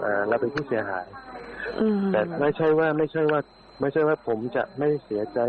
เราเป็นผู้เสียหายอืมแต่ไม่ใช่ว่าไม่ใช่ว่าไม่ใช่ว่าผมจะไม่เสียใจ